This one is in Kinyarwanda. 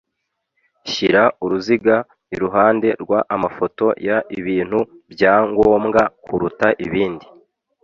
Shyira uruziga iruhande rw amafoto y ibintu bya ngombwa kuruta ibindi